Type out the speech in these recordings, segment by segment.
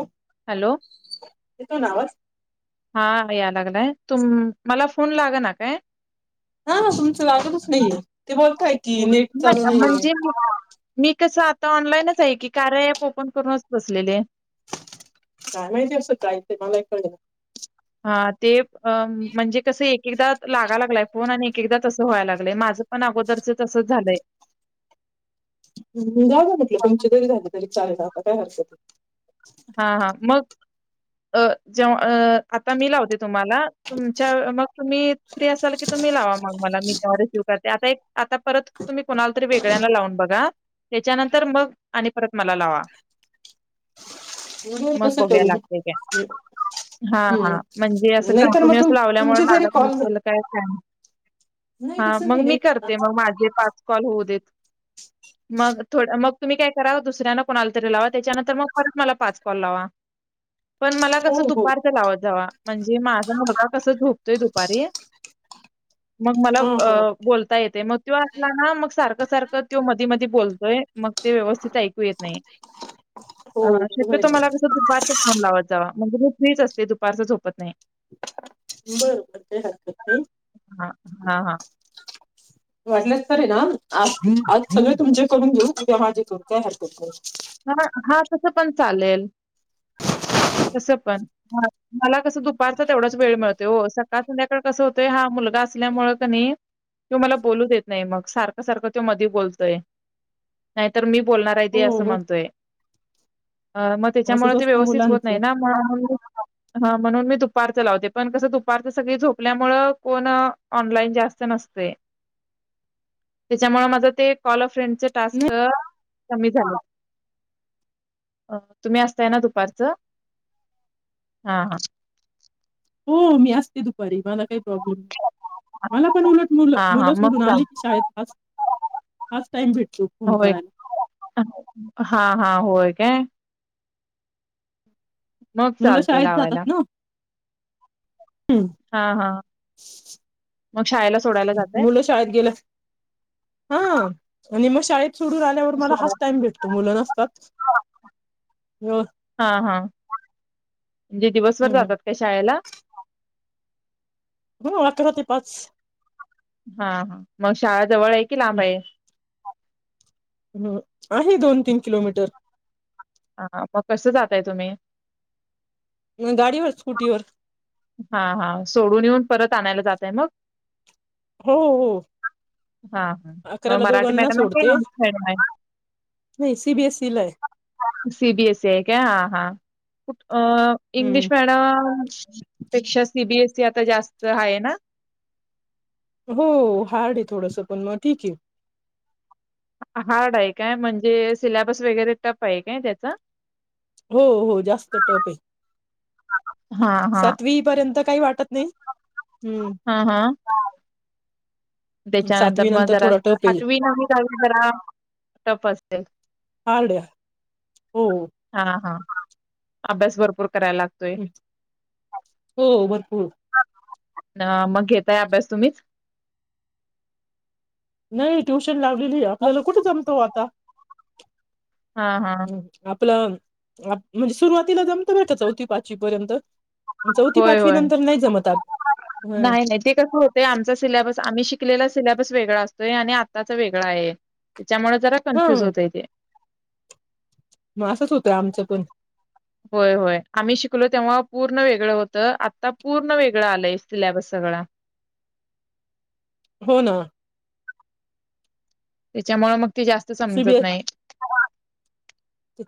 एक हॅलो हां यांय लागलांय तुंम मलां फोन यां लागंना कायं हं नां तुमचं लागतंच नाहींये ते बोलतांय की हो नेटं नाही चालूं नाहींये म्हणजे मी मी कसं आंता ऑनलाईनचं आहे की कार्या अँप ओपन करूंनचं बसलेले कायं माहिती असं कायंच मलांही कळलं हां ते म्हणजे कसं एक एकदाचं लागां लागलांय फोन आणि एक एकदां तसं व्हांयला लागलंय माझं पणं अगोदरचं तसंच झालंय जा म्हटलं, तुमची जरी झाली तरी चालेल, आता काय हरकत हा हा मग अ जेव्हा, आता मी लावते तुम्हाला तुमच्या मग तुम्ही फ्री असाल की तुम्ही लावा मग मला, मी तेव्हा रिसीव्ह करते, आता एक आता परत तुम्ही कुणाला तरी वेगळ्यांला लावून बघा, त्याच्यानंतर मग, आणि परत मला लावा. नाही मग कसं बघूया करू लागतंय काय. हा हा, हम्म म्हणजे असं नाही तर मग कंटिन्युअस तुम लावल्यामुळे तुमचे जरी लागत कॉल नसल काय नाही हा, तसं मग नाही मी नाही करते मग माझे पाच कॉल होऊ देत, मग थोडं मग तुम्ही काय करा, दुसऱ्याना कोणाला तरी लावा, त्याच्यानंतर मग परत मला पाच कॉल लावा, पण मला हो कसं हो दुपारच लावत जावा, म्हणजे माझा मुलगा कसं झोपतोय दुपारी, मग मला हा अ हा बोलता येतय, मग तो असला ना, मग सारखं सारखं तो मधी मध बोलतोय मग ते व्यवस्थित ऐकू येत नाही. हो अ बरोबर आहे शक्यतो ना मला कसं दुपारचं फोन लावत जावा, म्हणजे मी फ्रीच असते दुपारचं झोपत नाही. बर, काही हरकत नाही. हा [inaudible] वाटलंस तरे ना आज, आज सगळे तुमचे करून घेऊ, उद्या माजे करू, काय हरकत नाही. हा, हा तसं पण चालेल. तसं पण, मला कसं दुपारचा तेवढाच वेळ मिळतोय ओ, सकाळ काळ संध्याकाळ कसं होतय हा मुलगा असल्यामुळं क नाही तो मला बोलू देत नाही मग, सारखं सारखं मधे मध्ये बोलतोय. नाहीतर मी बोलणार आहे दे असं हो म्हणतोय. अं मग असंच त्याच्यामुळं ते असतं व्यवस्थित होत मुलांचं नाही ना, म हा म्हणून मी दुपारचं लावते, पण कसं दुपारचं सगळी झोपल्या मुळं कोण ऑनलाईन जास्त नसतय, त्याच्यामुळं माझ ते कॉल अ र्फेन्ड च टास्क नाही कमी झाल्यात. अ तुम्ही असताय ना दुपारचं,, हा हां. हो, मी असते दुपारी, मला काही प्रॉब्लेम मला पण उलट, मुलं हा, हा. मुलं मग सोडून सांग. आले की शाळेत आज हाच टाइम भेटलो फोन होय. कराय हा हा होय काय. मग मुलं चालतंय शाळेत लावायला. जातात ना,, हम्म. हा हा, मग शाळेला सोडायला जाताय? मुलं शाळेत गेलं, हा, आणि मग शाळेत सोडून आ ल्यावर मला सोडा हाच टाईम भेटतो, मुलं नसतात हो हा हा, म्हणजे दिवसभर जातात काय शाळेला? हो अकरा ते पाच. हा, मग शाळा जवळ आहे की लांब आहे.? हो, आहे दोन तीन किलोमीटर. हां हां, मग कसं जाताय तुम्ही? गाडीवर स्कुटीवर. हा हा, सोडून येऊन परत आणायला जाताय मग? हो हो. हा, हा. मग अकराला मराठी दोघांना मॅडम आहे का सोडते,, इंग्लिश मॅडम आहे? नाही सी बी एस सी ला य. सीबीएससी आहे काय, हा हा,, अं हम्म इंग्लिश मॅडम पेक्षा सीबीएसई आता जास्त आहे ना. हो हार्ड आहे थोडंस पण मग ठीक आहे. हार्ड आहे काय म्हणजे सिलेबस वगैरे टफ आहे काय त्याचा हो हो जास्त टप आहे हा हा सातवी. र्यंत काही वाटत नाही. हा हा त्याच्यानंतर सातवी मग नंतर जरा थोडा अस टप आहे आठवी, नववी, दहावी जरा‌. टप असते. हार्ड आहे. हो हा हा अभ्यास भरपूर करायला लागतो. हो भरपूर. अ मग घताय अभ्यास तुम्हीच. नाही ट्युशन लावलेली आहे, आपल्याला कुठे जमतो आता. हा हा हं, आपलं म्हणजे सुरुवातीला जमत बरं का चौथी पाचवी पर्यंत. चौथी होय पाचवी होय. नंतर नाही जमतात हं. नाही नाही ते कस होतंय आमचा सिलेबस आम्ही शिकलेला सिलेबस वेगळा असतोय आणि आत्ताच वेगळा आहे. त्याच्यामुळे जरा कन्फ्युज हं होतय ते, मग असंच होतं आमचं पण- होय होय आम्ही शिकलो तेव्हा पूर्ण वेगळं होतं, आत्ता पूर्ण वेगळं आलंय सिलॅबस सगळां. हो ना त्यांच्यामुळे मग ते जास्त समजत सीबीएस नाही.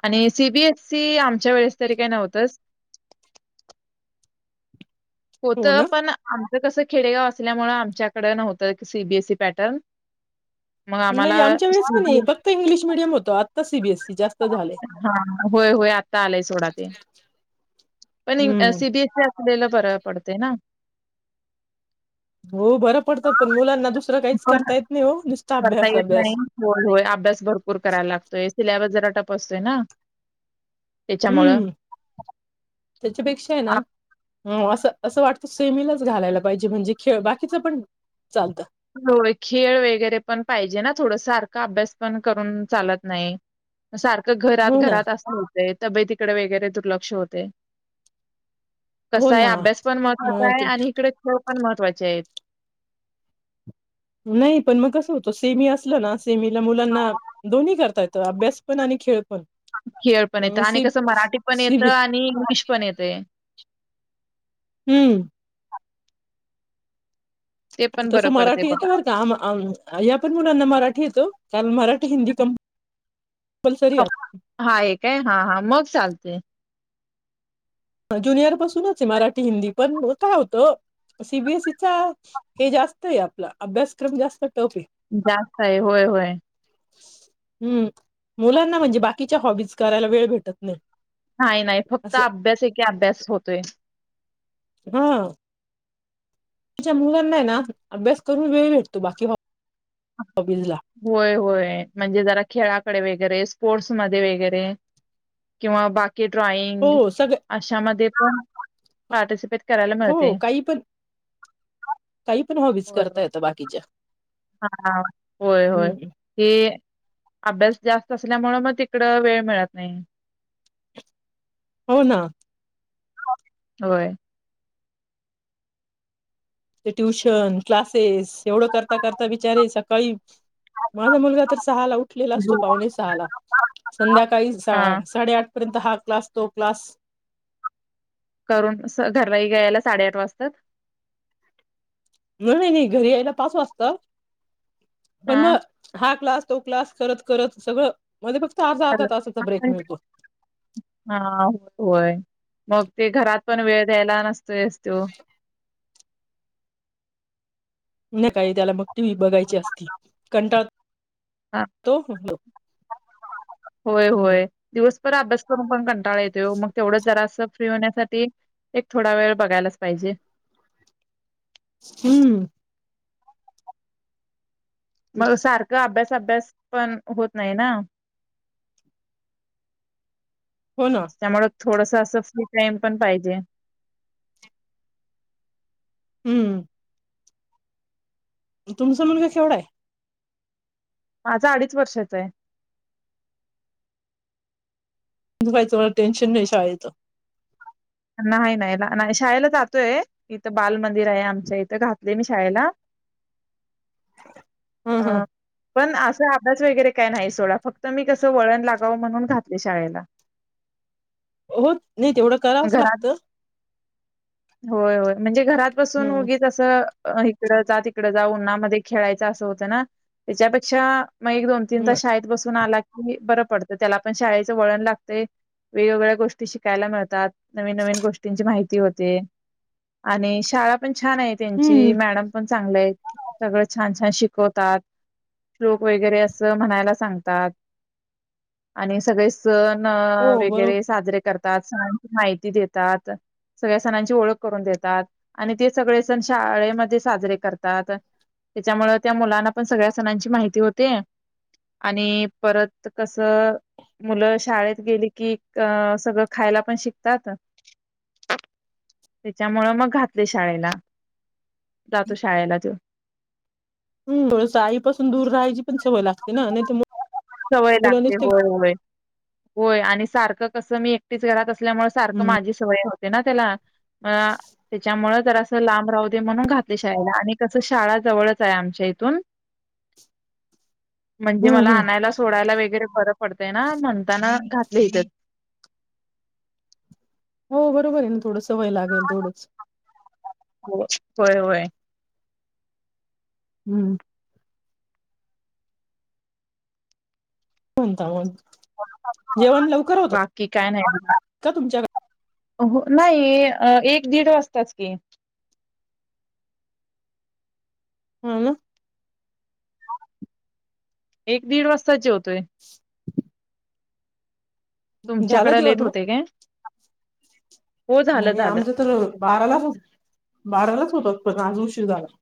आणि सीबीएस- सी आमच्या वेळेस तरी काही नव्हतंच. हो होतं ना पण आमचं कसं खेडेगाव असल्यामुळें आमच्याकडें नव्हतं सीबीएसई पॅटर्न. मग आम्हाला नाही आमच्या वेळेस पण फक्त इंग्लिश मिडियम होतो आता सीबीएसी जास्त- झालंय. हा होय होय आत्ता आलाय सोडा ते. पण हम्म सीबीएसई असलेलं बर पडते ना. हो बरं पडतं पण मुलांना दुसरं काहीच पण करता येत नाही हो. नुसता करता अभ्यास येत नाही. अभ्यास. होय होय अभ्यास भरपूर करायला लागतोय. सिलेबस जरा टप असतोय ना- त्याच्यामुळं. हम्म त्याच्यापेक्षा आहे ना. हो असं असं वाटतं सेमीलाच घालायला पाहिजे, म्हणजे खेळ बाकीच पण चालतं. हो खेळ वगैरे पण पाहिजे ना थोडस सारखा अभ्यास पण करून चालत नाही. सारखं घरात हो ना घरात असत होते तब्येत तिकडे वगैरे दुर्लक्ष होते. हो कसा आहे ना अभ्यास पण महत्त्वाचा मग आहे. त आणि इकडे खेळ पण महत्वाचे आहेत. नाही पण मग कसं होतं सेमी असलं ना, सेमीला मुलांना- दोन्ही करता य अभ्यास पण आणि खेळ पण- खेळ पण येत. अ, आणि सी कसं मराठी पण सीबी येतं आणि इंग्लिश पण येते. हम्म ते पण बरं तसं पडते मराठी बघा. येतं बरं का या पण मुलांना मराठी येतो कारण मराठी हिंदी कं- [inaudible] कंपलसरी अस- हा एकय हा हा मग चालते. ज्युनियर पासूनच मराठी हिंदी पण का होतं सीबीएसईचा. हे जास्त आहे आपला, अभ्यासक्रम जास्त टफ आहे. जास्त आहे होय होय. हम्म मुलांना म्हणजे बाकीच्या हॉबीज करायला वेळ भेटत नाही नाही नाही फक्त असं अभ्यास एके अभ्यास होतोय. हा आजच्या मुलांना हे ना अभ्यास करून वेळ भेटतो बाकी हॉबीज ला होय होय म्हणजे जरा खेळाकडे वगैरे स्पोर्ट्समध्ये वगैरे किंवा बाकी हो ड्रॉइंग सगळ्या अशामध्ये पण पार्टिसिपेट करायला मिळते. हो काही पण काही पण हो होय होय हा होय होय हम्म हे अभ्यास जास्त असल्यामुळे मग तिकड वेळ मिळत नाही. हो ना होय ते ट्युशन क्लासेस एवढं करता करता बिचारे सकाळी माझा मुलगा तर सहा ला उठलेला असतो पाहूणे सहाला संध्याकाळी हा साडेआठ पर्यंत हा क्लास तो क्लास करून स घरला यायला साडेआठ वाजत्यात. नाही नाही नाही घरी यायला पाच वाजतात पण हा मग हा क्लास तो क्लास करत करत सगळं मध्ये फक्त अर्धा अर्धा तासाचा ब्रेक मिळतो. हा होय मग ते घरात पण वेळ द्यायला नसतोयस तो नाही काय त्याला मग टी व्ही बघायची असती कंटाळ हा होय हम्म होय दिवसभर अभ्यास करून पण कंटाळा येतो मग तेवढंच जरास फ्री होण्यासाठी एक थोडा वेळ बघायलाच पाहिजे. हम्म मग सारखं अभ्यास अभ्यास पण होत नाही ना हो ना त्यामुळं थोडस असं फ्री टाइम पण पाहिजे. हम्म तुमचा मुलगा केवढा आहे? माझा अडीच वर्षाचा आहे. तुम्हाला टेन्शन नाही शाळेच. नाही नाही नाही शाळेला जातोय इथं बाल मंदिर आहे आमच्या इथे घातलेय मी शाळेला हं, हं. ह पण असा अभ्यास वगैरे काय नाही सोडा फक्त मी कसं वळण लागावं म्हणून घातले शाळेला हो नाही तेवढंच घरात होय होय म्हणजे घरात बसून हम्म उगीच जसं इकड जा तिकड जा उन्हामध्ये खेळायचं असं होतं ना त्याच्यापेक्षा मग एक दोन तीन तास शाळेत बसून आला की बरं पडतं त्याला पण शाळेचं वळण लागते वेगवेगळ्या गोष्टी शिकायला मिळतात. नवीन नवीन गोष्टींची माहिती होते आणि शाळा पण छान आहे त्यांची हम्म मॅडम पण चांगलं आहे सगळ छान छान शिकवतात. श्लोक वगैरे अस म्हणायला सांगतात आणि सगळे सण हो बरोबर वगैरे साजरे करतात. सणांची माहिती देतात. सगळ्या सणांची ओळख करून देतात आणि ते सगळे सण शाळेमध्ये साजरे करतात. त्याच्यामुळं त्या मुलांना पण सगळ्या सणांची माहिती होते. आणि परत कसं मुलं शाळेत गेली की अ सगळं खायला पण शिकतात, त्याच्यामुळ मग घातलंय शाळेला जातो शाळेला तो. हम थोड आईपासून दूर राहायची पण सवय लागते ना नाही तर मग सवय लागते होय होय होय आणि सारखं कस मी एकटीच घरात असल्यामुळे सारखं हम्म माझी सवय होते ना त्याला त्याच्यामुळं जरा असं लांब राहू दे म्हणून घातलंय शाळेला आणि कसं शाळा जवळच आहे आमच्या इथून, [unintelligible] म्हणजे मला हम् आणायला सोडायला वगैरे बर पडतंय ना म्हणताना घातलय इथेच. हो बरोबर आहे ना थोडं सवय लागेल तेवढंच. हो होय होय. हम्म कोणता हून जेवण लवकर होतात बाकी काय नाही बघा. का तुमच्याकडं? हो नाही एक दीड वाजताच की, हा ना एक दीड वाजताचं जेवतोय, झालं तुमच्याकडं जेवण लेट मग होतय काय? हो झालं नाही झालं आमच्या तर बारालाच बारालाच होतात पण आज उशीर झाला.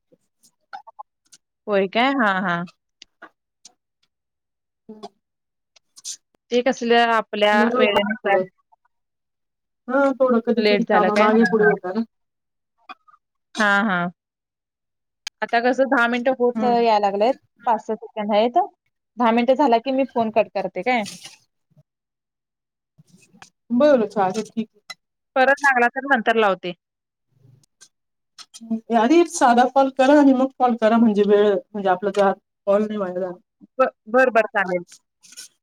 होय काय हा हा. हम् ते कसलं आपल्या दररोज वेळेनुसार, थोडं हा थोडं कधी लेट कधी झाला काम काय मागे हा पुढे होत ना, हा हा त्या कसं दहा मिनिटं होत हम्म याय लागलेत. पाच सहा सेकंड आहीत दहा मिनटं झाल की मी फोन कट करते काय? [unintelligible] बर चालेल ठीक परत लागला तर नंतर लावते. आधी साधा कॉल करा आणि मग कॉल करा म्हणजे वेळ म्हणजे आपलं जात कॉल नाही वाया जाणार. बरं बरं चालेल.